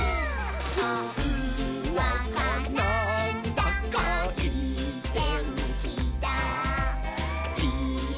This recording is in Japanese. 「ほんわかなんだかいいてんきだいいことありそうだ！」